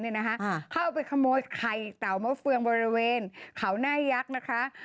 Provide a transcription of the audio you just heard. เข้าไปขโมยไข่เต่ามะเฟืองบริเวณเขาหน้ายักษ์นะคะ